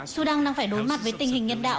sudan đang phải đối mặt với tình hình nhân đạo